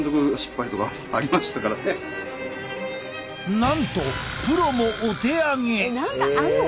なんとプロもお手上げ！